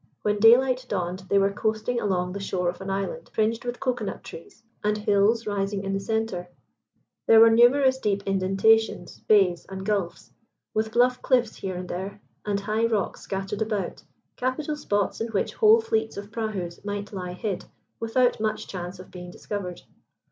When daylight dawned they were coasting along the shore of an island fringed with cocoa nut trees, and hills rising in the centre. There were numerous deep indentations, bays, and gulfs, with bluff cliffs here here there, and high rocks scattered about, capital spots in which whole fleets of prahus might lie hid without much chance of being discovered.